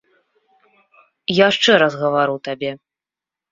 Яшчэ раз гавару табе.